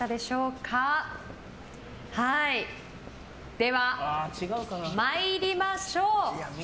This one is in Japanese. では、参りましょう。